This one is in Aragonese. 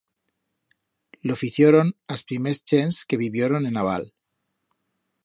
Lo ficioron as primers chents que vivioron en a Val.